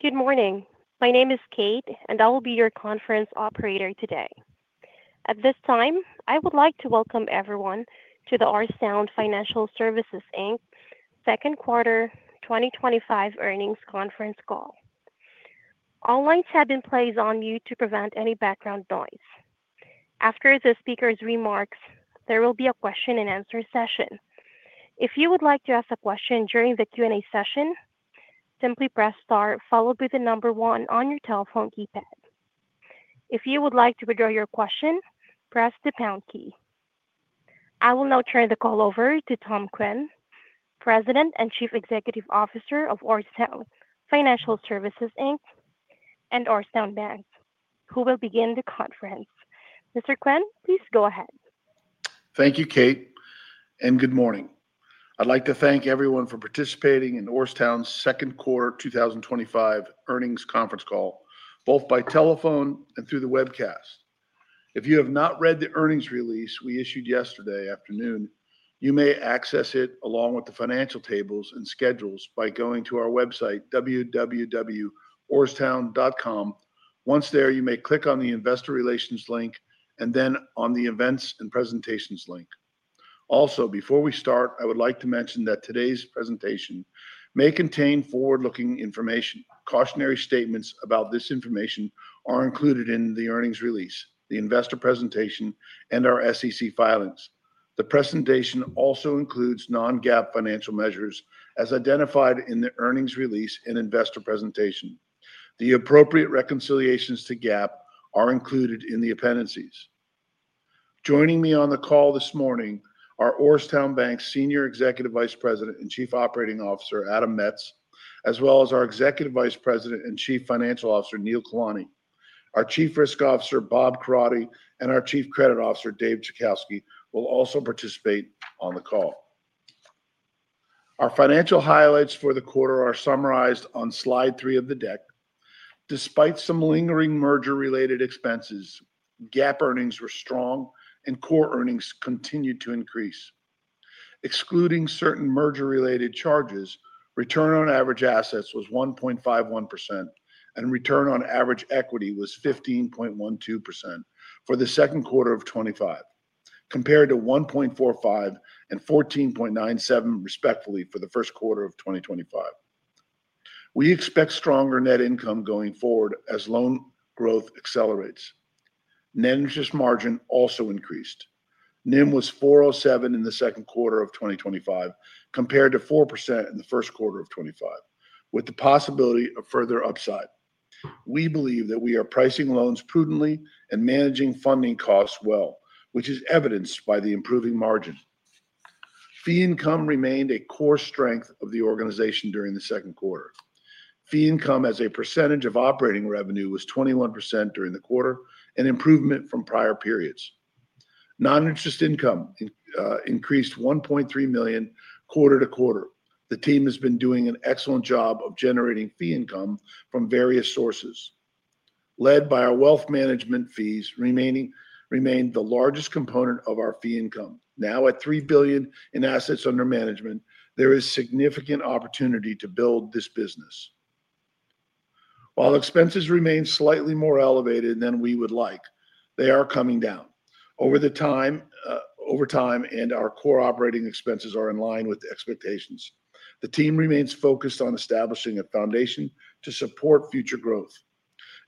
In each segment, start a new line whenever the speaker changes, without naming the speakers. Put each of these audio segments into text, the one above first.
Good morning. My name is Kate, and I will be your conference operator today. At this time, I would like to welcome everyone to the Orrstown Financial Services, Inc second quarter 2025 earnings conference call. All lines have been placed on mute to prevent any background noise. After the speakers' remarks, there will be a question and answer session. If you would like to ask a question during the Q&A session, simply press star followed by the number 1 on your telephone keypad. If you would like to withdraw your question, press the pound key. I will now turn the call over to Tom Quinn, President and Chief Executive Officer of Orrstown Financial Services, Inc and Orrstown Bank, who will begin the conference. Mr. Quinn, please go ahead.
Thank you, Kate, and good morning. I'd like to thank everyone for participating in Orrstown's second quarter 2025 earnings conference call, both by telephone and through the webcast. If you have not read the earnings release we issued yesterday afternoon, you may access it along with the financial tables and schedules by going to our website, www.orrstown.com. Once there, you may click on the Investor Relations link and then on the Events and Presentations link. Also, before we start, I would like to mention that today's presentation may contain forward-looking information. Cautionary statements about this information are included in the earnings release, the investor presentation, and our SEC filings. The presentation also includes non-GAAP financial measures as identified in the earnings release and investor presentation. The appropriate reconciliations to GAAP are included in the appendices. Joining me on the call this morning are Orrstown Bank Senior Executive Vice President and Chief Operating Officer Adam Metz, as well as our Executive Vice President and Chief Financial Officer Neel Kalani. Our Chief Risk Officer Bob Coradi and our Chief Credit Officer David Chajkowski will also participate on the call. Our financial highlights for the quarter are summarized on slide three of the deck. Despite some lingering merger-related expenses, GAAP earnings were strong and core earnings continued to increase. Excluding certain merger-related charges, return on average assets was 1.51% and return on average equity was 15.12% for the second quarter of 2025, compared to 1.45% and 14.97% respectively for the first quarter of 2025. We expect stronger net income going forward as loan growth accelerates. Net interest margin also increased. NIM was 4.07% in the second quarter of 2025, compared to 4.0% in the first quarter of 2025, with the possibility of further upside. We believe that we are pricing loans prudently and managing funding costs well, which is evidenced by the improving margin. Fee income remained a core strength of the organization during the second quarter. Fee income as a percentage of operating revenue was 21% during the quarter, an improvement from prior periods. Non-interest income increased $1.3 million quarter to quarter. The team has been doing an excellent job of generating fee income from various sources, led by our wealth management fees remaining the largest component of our fee income. Now at $3 billion in assets under management, there is significant opportunity to build this business. While expenses remain slightly more elevated than we would like, they are coming down. Over time, our core operating expenses are in line with expectations. The team remains focused on establishing a foundation to support future growth.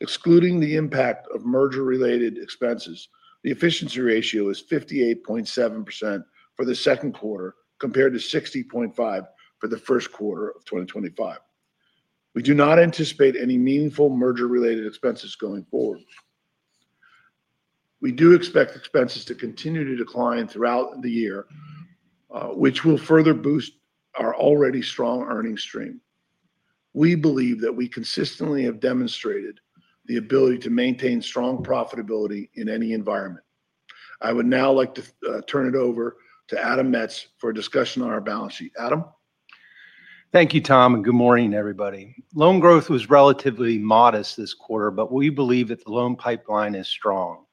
Excluding the impact of merger-related expenses, the efficiency ratio is 58.7% for the second quarter compared to 60.5% for the first quarter of 2025. We do not anticipate any meaningful merger-related expenses going forward. We do expect expenses to continue to decline throughout the year, which will further boost our already strong earnings stream. We believe that we consistently have demonstrated the ability to maintain strong profitability in any environment. I would now like to turn it over to Adam Metz for a discussion on our balance sheet. Adam.
Thank you, Tom, and good morning, everybody. Loan growth was relatively modest this quarter, but we believe that the loan pipeline is strong.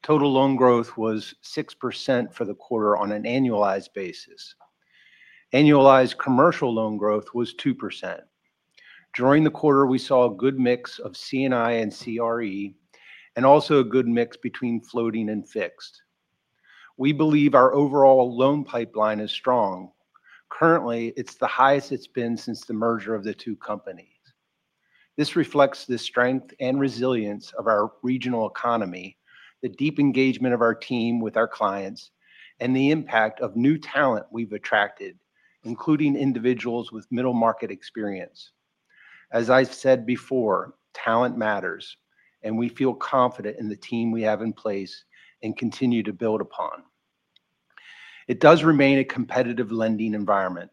Total loan growth was 6% for the quarter on an annualized basis. Annualized commercial loan growth was 2%. During the quarter, we saw a good mix of C&I and CRE, and also a good mix between floating and fixed. We believe our overall loan pipeline is strong. Currently, it's the highest it's been since the merger of the two companies. This reflects the strength and resilience of our regional economy, the deep engagement of our team with our clients, and the impact of new talent we've attracted, including individuals with middle-market experience. As I've said before, talent matters, and we feel confident in the team we have in place and continue to build upon. It does remain a competitive lending environment.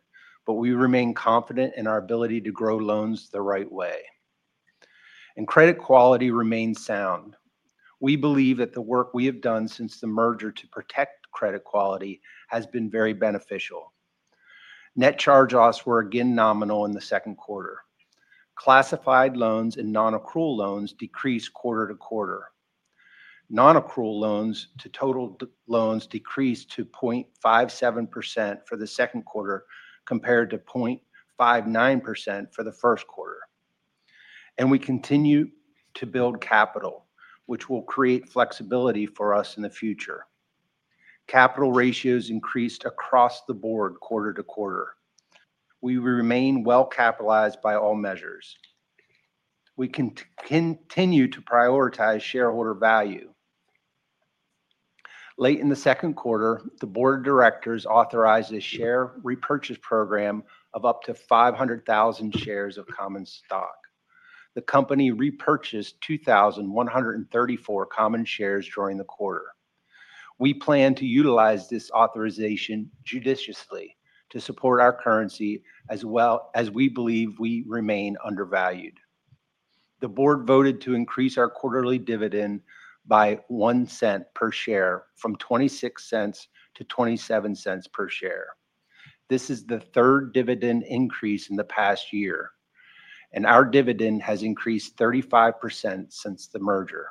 We remain confident in our ability to grow loans the right way. Credit quality remains sound. We believe that the work we have done since the merger to protect credit quality has been very beneficial. Net charge-offs were again nominal in the second quarter. Classified loans and non-accrual loans decreased quarter to quarter. Non-accrual loans to total loans decreased to 0.57% for the second quarter compared to 0.59% for the first quarter. We continue to build capital, which will create flexibility for us in the future. Capital ratios increased across the board quarter to quarter. We remain well capitalized by all measures. We continue to prioritize shareholder value. Late in the second quarter, the board of directors authorized a share repurchase program of up to 500,000 shares of common stock. The company repurchased 2,134 common shares during the quarter. We plan to utilize this authorization judiciously to support our currency, as well as we believe we remain undervalued. The board voted to increase our quarterly dividend by $0.01 per share from $0.26-$0.27 per share. This is the third dividend increase in the past year, and our dividend has increased 35% since the merger.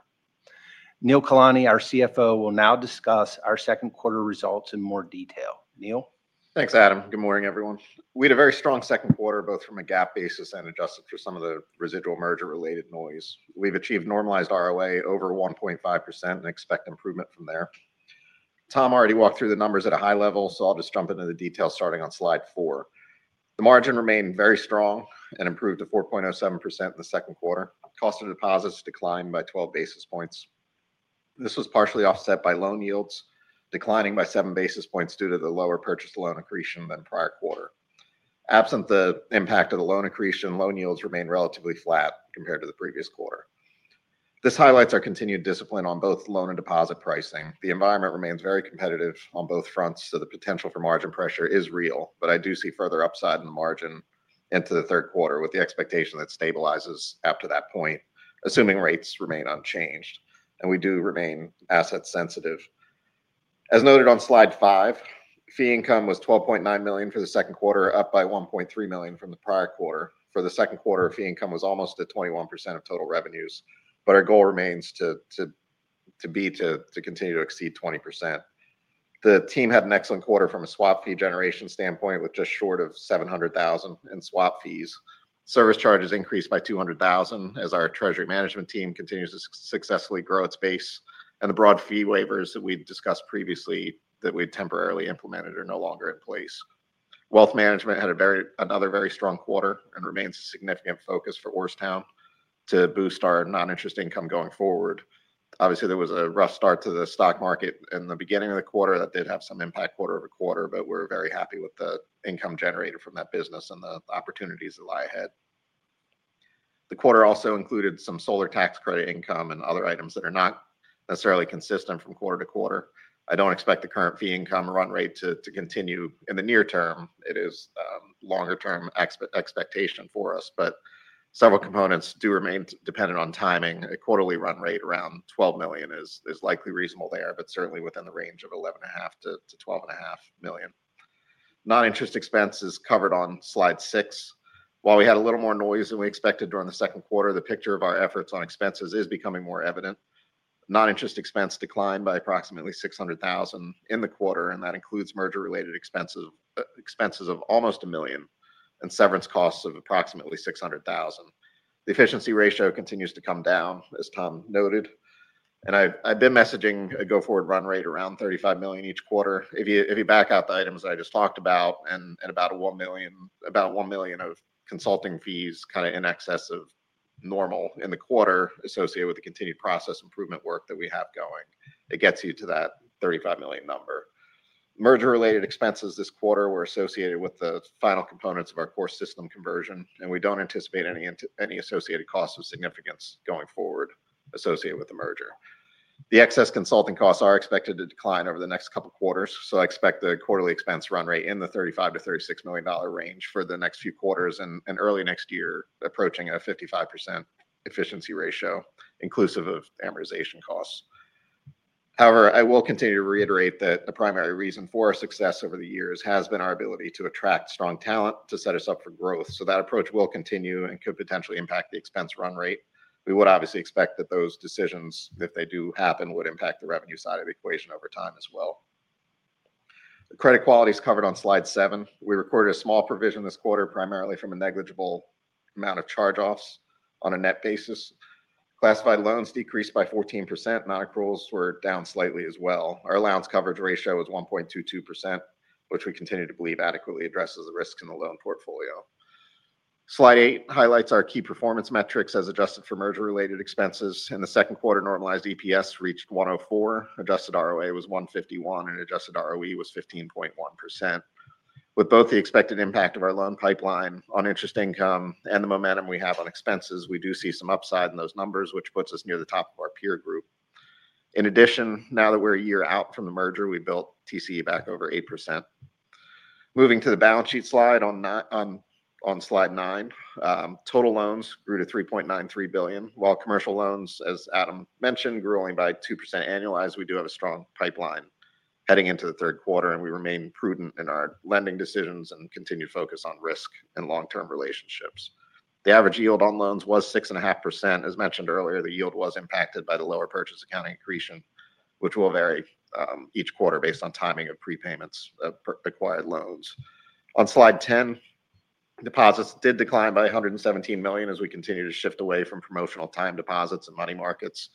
Neel Kalani, our CFO, will now discuss our second quarter results in more detail. Neel?
Thanks, Adam. Good morning, everyone. We had a very strong second quarter, both from a GAAP basis and adjusted for some of the residual merger-related noise. We've achieved normalized ROA over 1.5% and expect improvement from there. Tom already walked through the numbers at a high level, so I'll just jump into the details starting on slide 4. The margin remained very strong and improved to 4.07% in the second quarter. Cost of deposits declined by 12 basis points. This was partially offset by loan yields declining by 7 basis points due to the lower purchase loan accretion than prior quarter. Absent the impact of the loan accretion, loan yields remain relatively flat compared to the previous quarter. This highlights our continued discipline on both loan and deposit pricing. The environment remains very competitive on both fronts, so the potential for margin pressure is real. I do see further upside in the margin into the third quarter with the expectation that it stabilizes after that point, assuming rates remain unchanged and we do remain asset-sensitive. As noted on slide 5, fee income was $12.9 million for the second quarter, up by $1.3 million from the prior quarter. For the second quarter, fee income was almost at 21% of total revenues, but our goal remains to be to continue to exceed 20%. The team had an excellent quarter from a swap fee generation standpoint, with just short of $700,000 in swap fees. Service charges increased by $200,000 as our treasury management team continues to successfully grow its base, and the broad fee waivers that we discussed previously that we temporarily implemented are no longer in place. Wealth management had another very strong quarter and remains a significant focus for Orrstown to boost our non-interest income going forward. Obviously, there was a rough start to the stock market in the beginning of the quarter that did have some impact quarter over quarter, but we're very happy with the income generated from that business and the opportunities that lie ahead. The quarter also included some solar tax credit income and other items that are not necessarily consistent from quarter to quarter. I don't expect the current fee income run rate to continue in the near term. It is a longer-term expectation for us, but several components do remain dependent on timing. A quarterly run rate around $12 million is likely reasonable there, but certainly within the range of $11.5 million to $12.5 million. Non-interest expenses covered on slide six. While we had a little more noise than we expected during the second quarter, the picture of our efforts on expenses is becoming more evident. Non-interest expense declined by approximately $600,000 in the quarter, and that includes merger-related expenses of almost $1 million and severance costs of approximately $600,000. The efficiency ratio continues to come down, as Tom noted, and I've been messaging a go-forward run rate around $35 million each quarter. If you back out the items I just talked about and about $1 million of consulting fees, kind of in excess of normal in the quarter associated with the continued process improvement work that we have going, it gets you to that $35 million number. Merger-related expenses this quarter were associated with the final components of our core system conversion, and we don't anticipate any associated costs of significance going forward associated with the merger. The excess consulting costs are expected to decline over the next couple of quarters, so I expect the quarterly expense run rate in the $35 million-$36 million range for the next few quarters and early next year approaching a 55% efficiency ratio inclusive of amortization costs. However, I will continue to reiterate that the primary reason for our success over the years has been our ability to attract strong talent to set us up for growth, so that approach will continue and could potentially impact the expense run rate. We would obviously expect that those decisions, if they do happen, would impact the revenue side of the equation over time as well. Credit quality is covered on slide seven. We recorded a small provision this quarter primarily from a negligible amount of charge-offs on a net basis. Classified loans decreased by 14%. Non-accruals were down slightly as well. Our allowance coverage ratio was 1.22%, which we continue to believe adequately addresses the risks in the loan portfolio. Slide eight highlights our key performance metrics as adjusted for merger-related expenses. In the second quarter, normalized EPS reached $1.04, adjusted ROA was 1.51%, and adjusted ROE was 15.1%. With both the expected impact of our loan pipeline on interest income and the momentum we have on expenses, we do see some upside in those numbers, which puts us near the top of our peer group. In addition, now that we're a year out from the merger, we built TCE back over 8%. Moving to the balance sheet slide on slide nine, total loans grew to $3.93 billion. While commercial loans, as Adam mentioned, grew only by 2% annualized, we do have a strong pipeline heading into the third quarter, and we remain prudent in our lending decisions and continue to focus on risk and long-term relationships. The average yield on loans was 6.5%. As mentioned earlier, the yield was impacted by the lower purchase accounting accretion, which will vary each quarter based on timing of prepayments of acquired loans. On slide 10, deposits did decline by $117 million as we continue to shift away from promotional time deposits and money markets.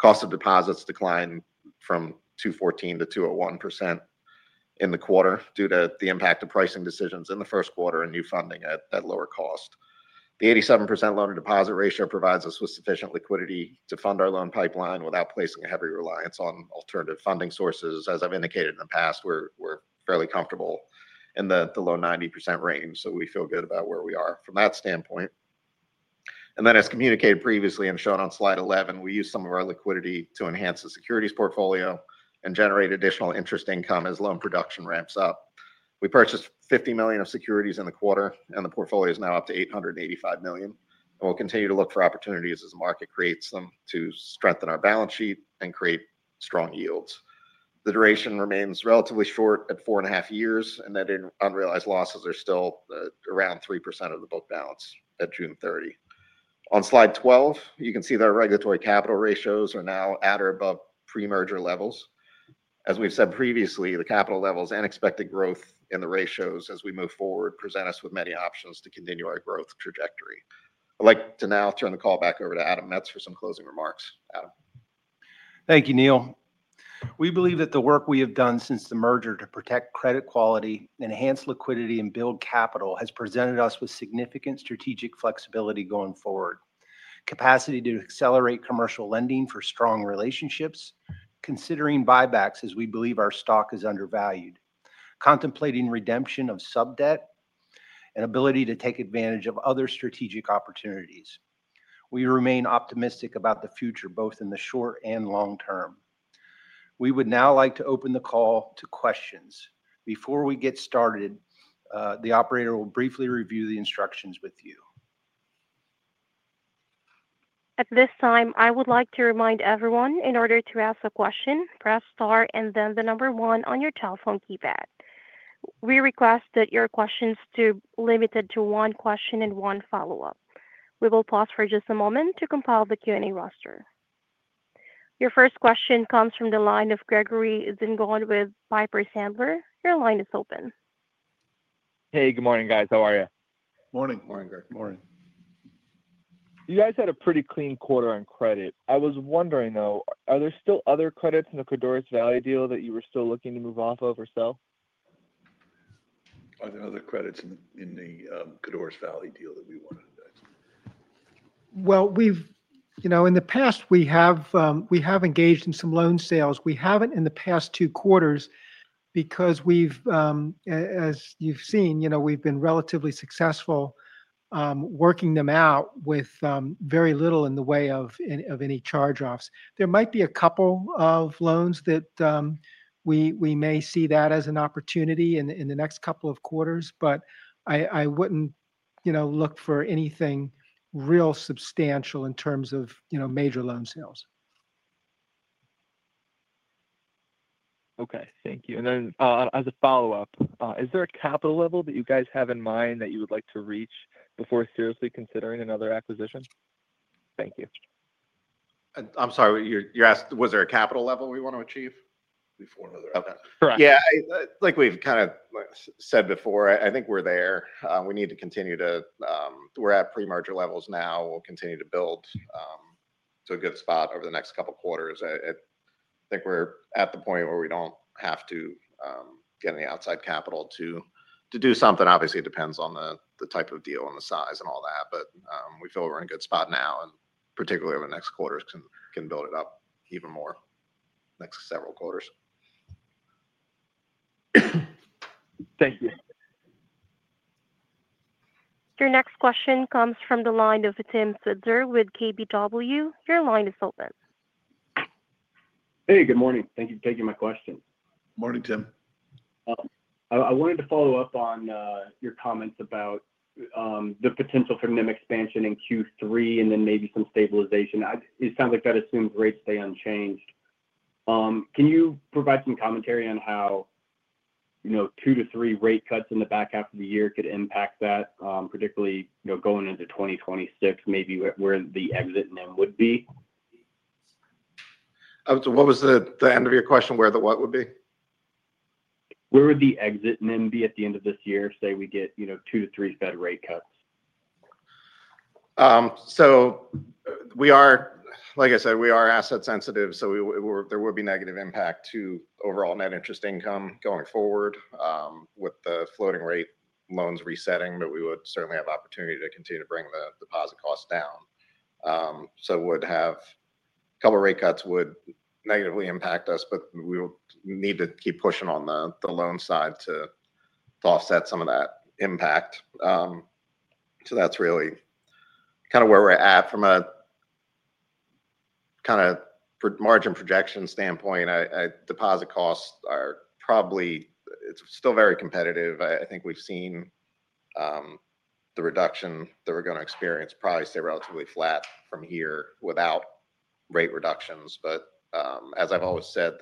Cost of deposits declined from 2.14% to 2.01% in the quarter due to the impact of pricing decisions in the first quarter and new funding at lower cost. The 87% loan-to-deposit ratio provides us with sufficient liquidity to fund our loan pipeline without placing a heavy reliance on alternative funding sources. As I've indicated in the past, we're fairly comfortable in the low 90% range, so we feel good about where we are from that standpoint. As communicated previously and shown on slide 11, we use some of our liquidity to enhance the securities portfolio and generate additional interest income as loan production ramps up. We purchased $50 million of securities in the quarter, and the portfolio is now up to $885 million. We'll continue to look for opportunities as the market creates them to strengthen our balance sheet and create strong yields. The duration remains relatively short at 4 and a half years, and unrealized losses are still around 3% of the book balance at June 30. On slide 12, you can see that our regulatory capital ratios are now at or above pre-merger levels. As we've said previously, the capital levels and expected growth in the ratios as we move forward present us with many options to continue our growth trajectory. I'd like to now turn the call back over to Adam Metz for some closing remarks. Adam.
Thank you, Neel. We believe that the work we have done since the merger to protect credit quality, enhance liquidity, and build capital has presented us with significant strategic flexibility going forward. Capacity to accelerate commercial lending for strong relationships, considering buybacks as we believe our stock is undervalued, contemplating redemption of sub debt, and ability to take advantage of other strategic opportunities. We remain optimistic about the future, both in the short and long term. We would now like to open the call to questions. Before we get started, the operator will briefly review the instructions with you.
At this time, I would like to remind everyone in order to ask a question, press STAR and then the number 1 on your telephone keypad. We request that your questions be limited to one question and one follow-up. We will pause for just a moment to compile the Q&A roster. Your first question comes from the line of Gregory Zingone with Piper Sandler. Your line is open.
Hey, good morning, guys. How are you?
Morning, Greg.
Morning.
You guys had a pretty clean quarter on credit. I was wondering, though, are there still other credits in the Codorus Valley deal that you were still looking to move off of or sell?
Are there other credits in the Codorus Valley deal that we want to address? In the past, we have engaged in some loan sales. We haven't in the past two quarters because, as you've seen, we've been relatively successful working them out with very little in the way of any charge-offs. There might be a couple of loans that we may see as an opportunity in the next couple of quarters, but I wouldn't look for anything real substantial in terms of major loan sales.
Thank you. As a follow-up, is there a capital level that you guys have in mind that you would like to reach before seriously considering another acquisition? Thank you.
I'm sorry, you asked, was there a capital level we want to achieve?
Before another acquisition.
Like we've kind of said before, I think we're there. We need to continue to, we're at pre-merger levels now. We'll continue to build to a good spot over the next couple of quarters. I think we're at the point where we don't have to get any outside capital to do something. Obviously, it depends on the type of deal and the size and all that, but we feel we're in a good spot now, and particularly over the next quarter, can build it up even more in the next several quarters.
Thank you.
Your next question comes from the line of Tim Switzer with KBW. Your line is open.
Hey, good morning. Thank you for taking my question.
Morning, Tim.
I wanted to follow up on your comments about the potential for NIM expansion in Q3 and then maybe some stabilization. It sounds like that assumes rates stay unchanged. Can you provide some commentary on how two to three rate cuts in the back half of the year could impact that, particularly going into 2026, maybe where the exit NIM would be?
I'm sorry, what was the end of your question? Where the what would be?
Where would the exit NIM be at the end of this year, say we get, you know, two to three Fed rate cuts?
We are, like I said, asset-sensitive, so there would be negative impact to overall net interest income going forward with the floating rate loans resetting, but we would certainly have the opportunity to continue to bring the deposit costs down. A couple of rate cuts would negatively impact us, but we would need to keep pushing on the loan side to offset some of that impact. That's really kind of where we're at from a margin projection standpoint. Deposit costs are probably still very competitive. I think we've seen the reduction that we're going to experience probably stay relatively flat from here without rate reductions. As I've always said,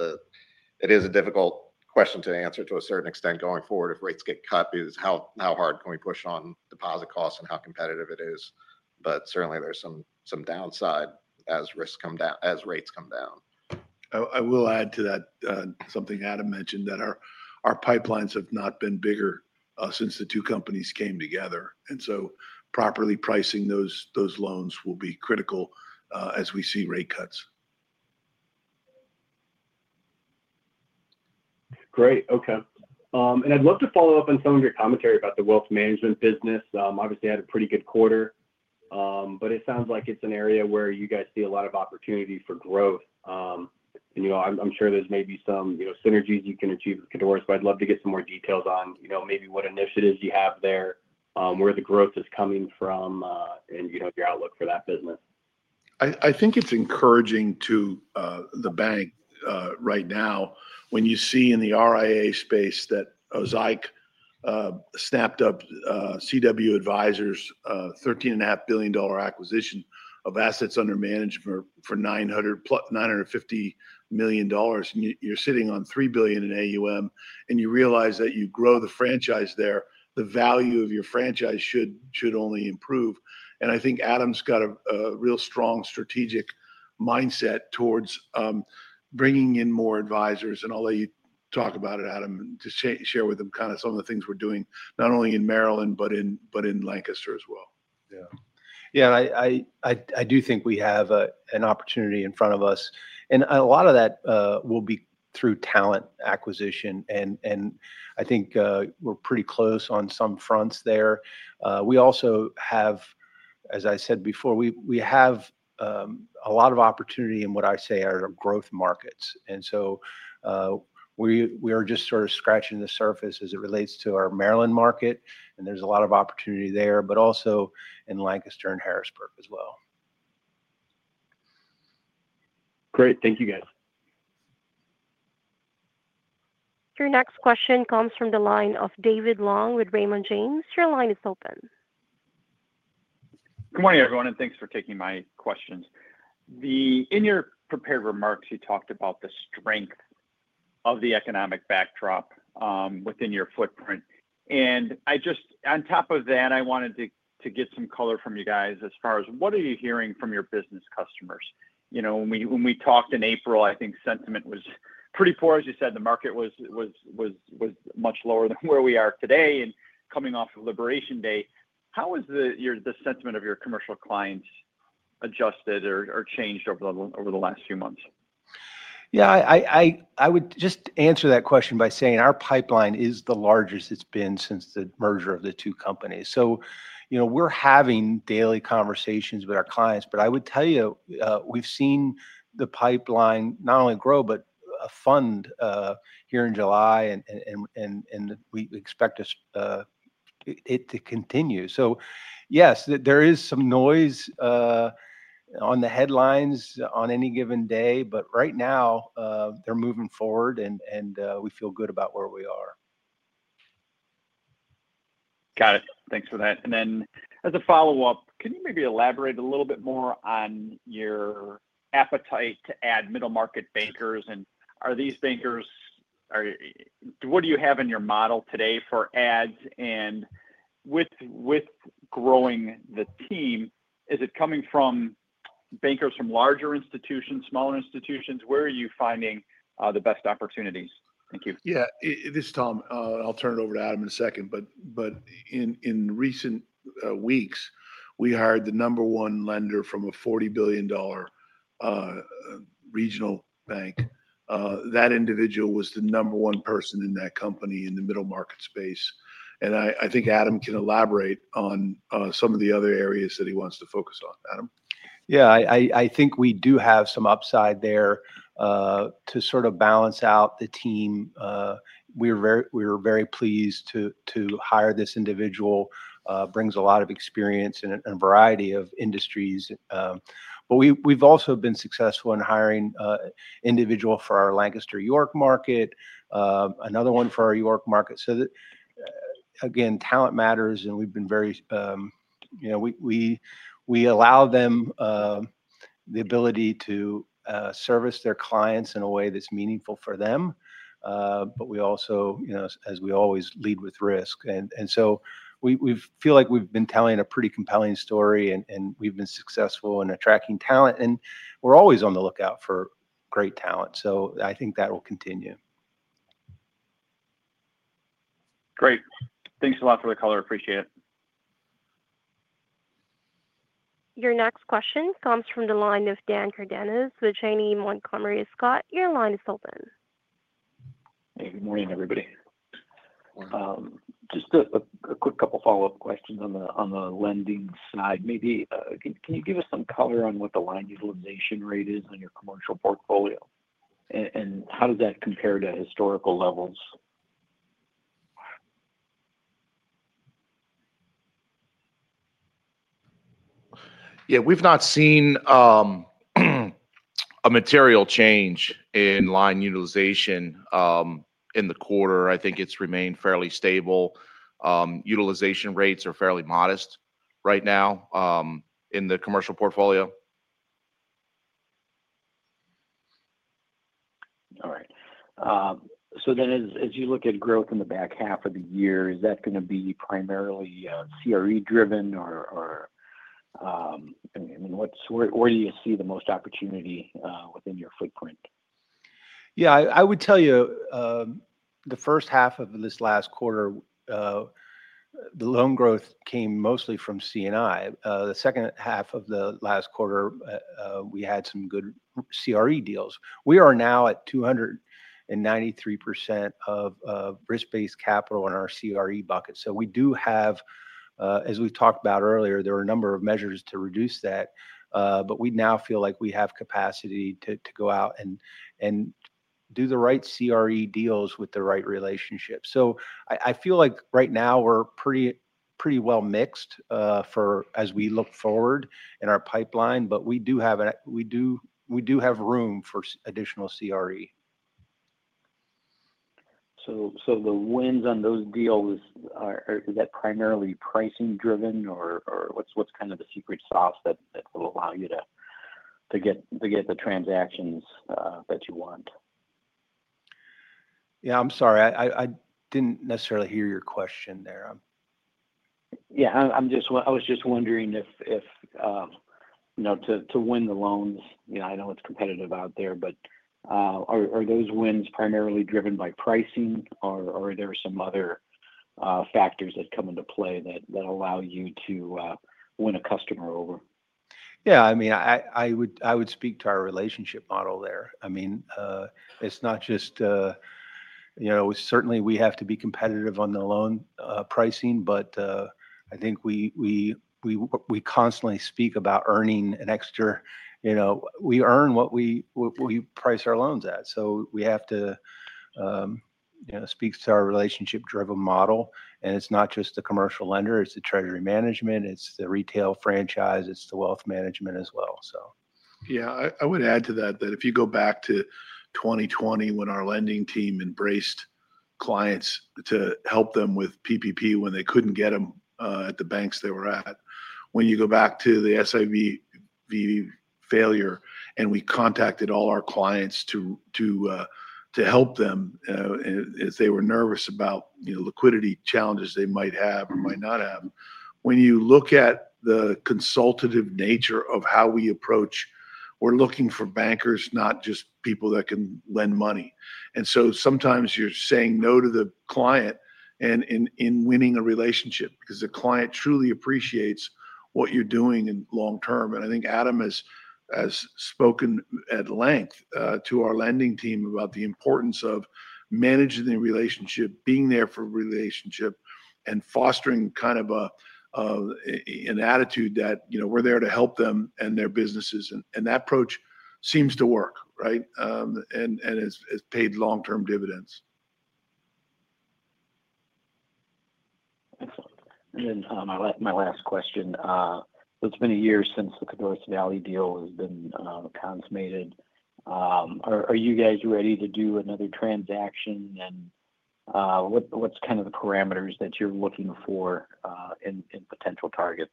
it is a difficult question to answer to a certain extent going forward if rates get cut, how hard can we push on deposit costs and how competitive it is. Certainly, there's some downside as risks come down, as rates come down.
I will add to that something Adam Metz mentioned, that our pipelines have not been bigger since the two companies came together. Properly pricing those loans will be critical as we see rate cuts.
Great. Okay. I'd love to follow up on some of your commentary about the wealth management business. Obviously, it had a pretty good quarter, but it sounds like it's an area where you guys see a lot of opportunity for growth. I'm sure there's maybe some synergies you can achieve with Codorus, but I'd love to get some more details on what initiatives you have there, where the growth is coming from, and your outlook for that business.
I think it's encouraging to the bank right now when you see in the RIA space that Zike snapped up CW Advisor's $13.5 billion acquisition of assets under management for $950 million. You're sitting on $3 billion in AUM, and you realize that you grow the franchise there, the value of your franchise should only improve. I think Adam's got a real strong strategic mindset towards bringing in more advisors. I'll let you talk about it, Adam, and to share with them kind of some of the things we're doing, not only in Maryland, but in Lancaster as well.
Yeah, I do think we have an opportunity in front of us. A lot of that will be through talent acquisition, and I think we're pretty close on some fronts there. We also have, as I said before, a lot of opportunity in what I say are growth markets. We are just sort of scratching the surface as it relates to our Maryland market, and there's a lot of opportunity there, but also in Lancaster and Harrisburg as well.
Great. Thank you, guys.
Your next question comes from the line of David Long with Raymond James. Your line is open.
Good morning, everyone, and thanks for taking my questions. In your prepared remarks, you talked about the strength of the economic backdrop within your footprint. I just, on top of that, wanted to get some color from you guys as far as what are you hearing from your business customers? You know, when we talked in April, I think sentiment was pretty poor. You said the market was much lower than where we are today. Coming off of Liberation Day, how has the sentiment of your commercial clients adjusted or changed over the last few months?
I would just answer that question by saying our pipeline is the largest it's been since the merger of the two companies. We're having daily conversations with our clients, but I would tell you we've seen the pipeline not only grow, but fund here in July, and we expect it to continue. Yes, there is some noise on the headlines on any given day, but right now they're moving forward, and we feel good about where we are.
Got it. Thanks for that. As a follow-up, can you maybe elaborate a little bit more on your appetite to add middle-market bankers? Are these bankers, what do you have in your model today for ads? With growing the team, is it coming from bankers from larger institutions, smaller institutions? Where are you finding the best opportunities? Thank you.
Yeah, this is Tom. I'll turn it over to Adam in a second. In recent weeks, we hired the number one lender from a $40 billion regional bank. That individual was the number one person in that company in the middle-market space. I think Adam can elaborate on some of the other areas that he wants to focus on. Adam.
Yeah, I think we do have some upside there to sort of balance out the team. We were very pleased to hire this individual. Brings a lot of experience in a variety of industries. We've also been successful in hiring an individual for our Lancaster, York market, another one for our York market. Talent matters, and we've been very, you know, we allow them the ability to service their clients in a way that's meaningful for them. We also, as we always, lead with risk. We feel like we've been telling a pretty compelling story, and we've been successful in attracting talent. We're always on the lookout for great talent. I think that will continue.
Great. Thanks a lot for the color. I appreciate it.
Your next question comes from the line of Dan Cardenas with Janney Montgomery Scott. Your line is open.
Hey, good morning, everybody. Just a quick couple of follow-up questions on the lending side. Maybe can you give us some color on what the line utilization rate is on your commercial portfolio? How does that compare to historical levels?
Yeah, we've not seen a material change in line utilization in the quarter. I think it's remained fairly stable. Utilization rates are fairly modest right now in the commercial portfolio.
All right. As you look at growth in the back half of the year, is that going to be primarily CRE driven? I mean, where do you see the most opportunity within your footprint?
Yeah, I would tell you the first half of this last quarter, the loan growth came mostly from C&I. The second half of the last quarter, we had some good CRE deals. We are now at 293% of risk-based capital in our CRE bucket. We do have, as we've talked about earlier, a number of measures to reduce that. We now feel like we have capacity to go out and do the right CRE deals with the right relationships. I feel like right now we're pretty well mixed as we look forward in our pipeline, but we do have room for additional CRE.
Are the wins on those deals primarily pricing driven, or what's kind of the secret sauce that will allow you to get the transactions that you want?
I'm sorry. I didn't necessarily hear your question there.
I was just wondering if, you know, to win the loans, I know it's competitive out there, but are those wins primarily driven by pricing, or are there some other factors that come into play that allow you to win a customer over?
I would speak to our relationship model there. It's not just, you know, certainly we have to be competitive on the loan pricing, but I think we constantly speak about earning an extra, you know, we earn what we price our loans at. We have to speak to our relationship-driven model. It's not just the commercial lender, it's the treasury management, it's the retail franchise, it's the wealth management as well.
Yeah, I would add to that that if you go back to 2020 when our lending team embraced clients to help them with PPP when they couldn't get them at the banks they were at, when you go back to the SIVV failure and we contacted all our clients to help them as they were nervous about, you know, liquidity challenges they might have or might not have. When you look at the consultative nature of how we approach, we're looking for bankers, not just people that can lend money. Sometimes you're saying no to the client in winning a relationship because the client truly appreciates what you're doing in long term. I think Adam has spoken at length to our lending team about the importance of managing the relationship, being there for a relationship, and fostering kind of an attitude that, you know, we're there to help them and their businesses. That approach seems to work, right? It's paid long-term dividends.
Excellent. My last question, it's been a year since the Codorus Valley deal has been consummated. Are you guys ready to do another transaction? What's kind of the parameters that you're looking for in potential targets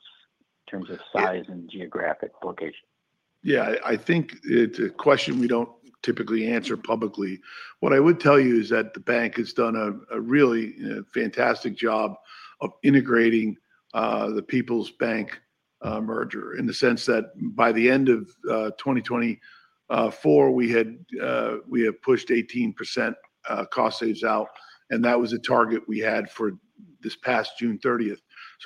in terms of size and geographic location?
Yeah, I think it's a question we don't typically answer publicly. What I would tell you is that the bank has done a really fantastic job of integrating the People's Bank merger in the sense that by the end of 2024, we had pushed 18% cost saves out. That was a target we had for this past June 30.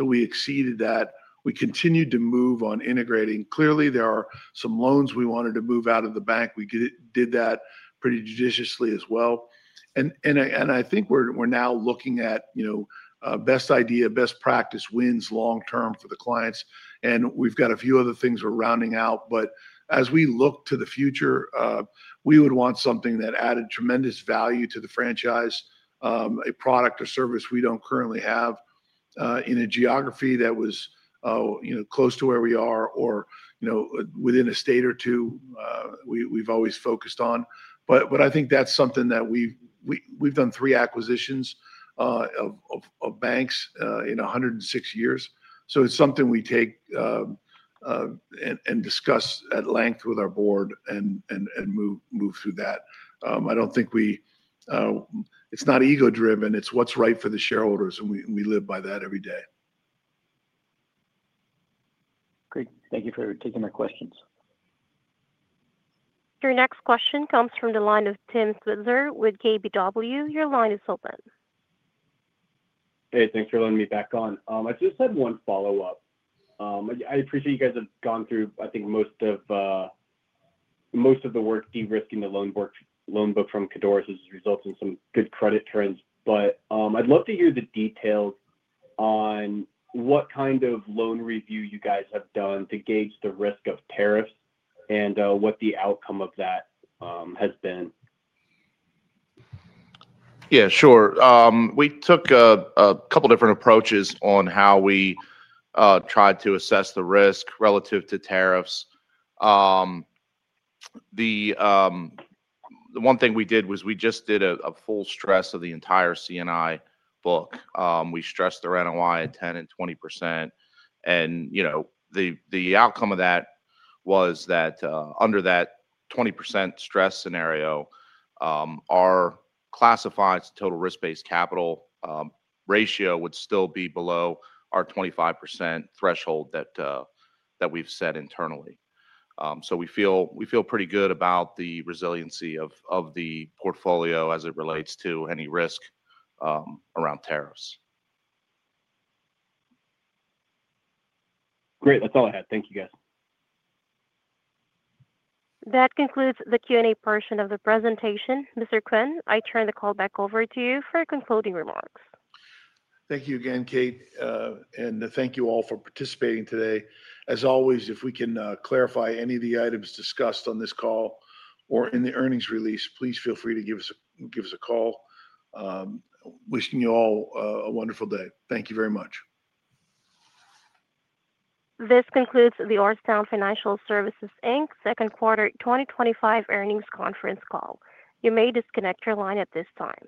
We exceeded that. We continued to move on integrating. Clearly, there are some loans we wanted to move out of the bank. We did that pretty judiciously as well. I think we're now looking at best idea, best practice wins long term for the clients. We've got a few other things we're rounding out. As we look to the future, we would want something that added tremendous value to the franchise, a product or service we don't currently have in a geography that was close to where we are or within a state or two we've always focused on. I think that's something that we've done three acquisitions of banks in 106 years. It's something we take and discuss at length with our board and move through that. I don't think we, it's not ego-driven. It's what's right for the shareholders, and we live by that every day.
Great. Thank you for taking our questions.
Your next question comes from the line of Tim Switzer with KBW. Your line is open.
Hey, thanks for letting me back on. I just had one follow-up. I appreciate you guys have gone through, I think, most of the work de-risking the loan book from Codorus has resulted in some good credit turns, but I'd love to hear the details on what kind of loan review you guys have done to gauge the risk of tariffs and what the outcome of that has been.
Yeah, sure. We took a couple of different approaches on how we tried to assess the risk relative to tariffs. One thing we did was we just did a full stress of the entire C&I book. We stressed their NOI at 10% and 20%. The outcome of that was that under that 20% stress scenario, our classified total risk-based capital ratio would still be below our 25% threshold that we've set internally. We feel pretty good about the resiliency of the portfolio as it relates to any risk around tariffs.
Great. That's all I had. Thank you, guys.
That concludes the Q&A portion of the presentation. Mr. Quinn, I turn the call back over to you for concluding remarks.
Thank you again, Kate, and thank you all for participating today. As always, if we can clarify any of the items discussed on this call or in the earnings release, please feel free to give us a call. Wishing you all a wonderful day. Thank you very much.
This concludes the Orrstown Financial Services, Inc. second quarter 2025 earnings conference call. You may disconnect your line at this time.